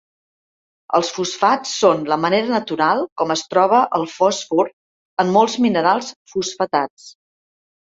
Els fosfats són la manera natural com es troba el fòsfor en molts minerals fosfatats.